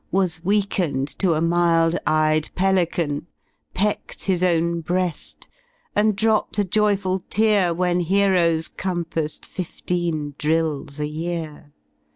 Was weakened to a mild ey^d Pelican, Peck'd his own breaSl, and dropped a ioyful tear 83 When heroes compassed fifteen Drills a year!